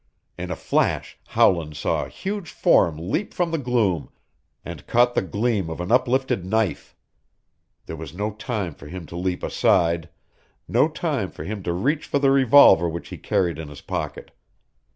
In a flash Howland saw a huge form leap from the gloom and caught the gleam of an uplifted knife. There was no time for him to leap aside, no time for him to reach for the revolver which he carried in his pocket.